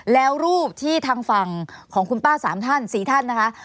แล้วรูปที่ทางฝั่งของคุณป้า๓ท่าน๔ท่านนะคะ